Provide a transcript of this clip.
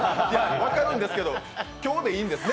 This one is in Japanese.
分かるんですけど今日でいいんですね？